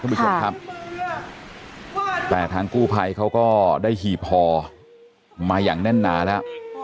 คุณผู้ชมครับแต่ทางกู้ภัยเขาก็ได้หีบห่อมาอย่างแน่นหนาแล้ว